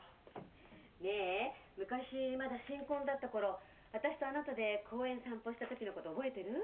ねえ昔まだ新婚だった頃私とあなたで公園散歩した時の事覚えてる？